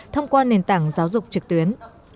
thông qua nền tảng giáo dục trực tuyến